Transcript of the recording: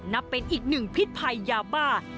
นับเป็นอีกหนึ่งพิษภัยยาบ้า